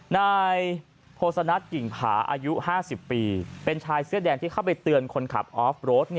นายโภสนัทกิ่งผาอายุ๕๐ปีเป็นชายเสื้อแดงที่เข้าไปเตือนคนขับออฟโรด